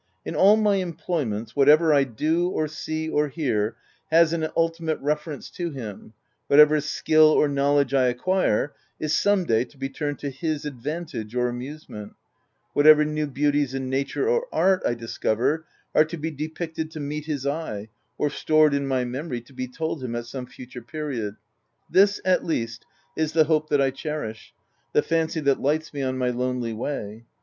In all my employments, whatever I do, or see, or hear, has an ultimate reference to him ; what ever skill or knowledge I acquire is some day to OF W1LDFELL HALL. 317 be turned to his advantage or amusement ; whatever new beauties in nature or art I dis cover, are to be depicted to meet his eye, or stored in my memory to be told him at some future period. This, at least, is the hope that I cherish, the fancy that lights me on my lonely way.